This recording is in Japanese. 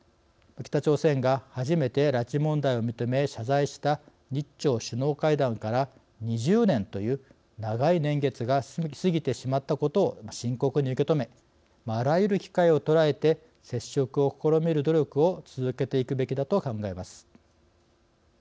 北朝鮮が初めて拉致問題を認め謝罪した日朝首脳会談から２０年という長い年月が過ぎてしまったことを深刻に受け止めあらゆる機会を捉えて接触を試みる努力を続けていくべきだと考えます。